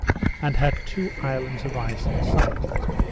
and had two islands of ice in sight.